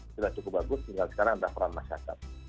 sudah cukup bagus tinggal sekarang ada peran masyarakat